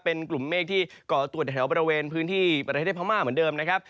เป็นกลุ่มเมฆที่ก่อตัวในแถวบริเวณพื้นที่ประเทศพม่าเหมือนเดิมนะครับ